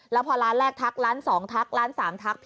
แล้วพอร้านแรกทักร้านสองทักร้านสามทัก